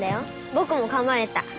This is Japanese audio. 僕もかまれた。